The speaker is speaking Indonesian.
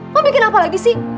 mau bikin apa lagi sih